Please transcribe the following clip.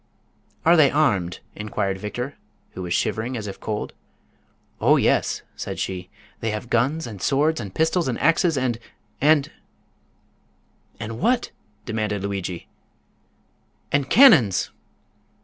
"Are they armed?" inquired Victor, who was shivering as if cold. "Oh, yes," said she. "They have guns and swords and pistols and axes and—and—" "And what?" demanded Lugui. "And cannons!"